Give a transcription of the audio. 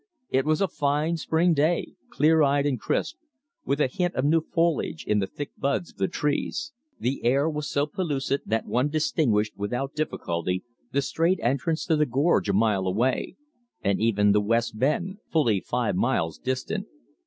It was a fine spring day, clear eyed and crisp, with a hint of new foliage in the thick buds of the trees. The air was so pellucid that one distinguished without difficulty the straight entrance to the gorge a mile away, and even the West Bend, fully five miles distant.